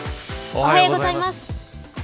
おはようございます。